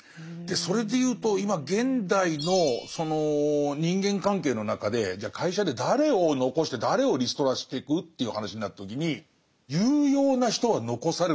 それで言うと今現代のその人間関係の中でじゃあ会社で誰を残して誰をリストラしてく？という話になった時に有用な人は残されると思うんですよ。